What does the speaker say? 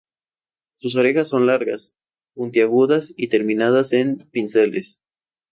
Sus orejas son largas, puntiagudas y terminadas en pinceles.